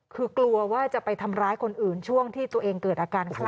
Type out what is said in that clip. คือกลัวว่าจะไปทำร้ายคนอื่นช่วงที่ตัวเองเกิดอาการคลั